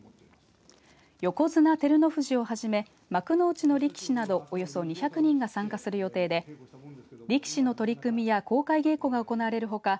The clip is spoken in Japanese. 横綱照ノ富士をはじめ幕内の力士などおよそ２００人が参加する予定で力士の取り組みや公開稽古が行われるほか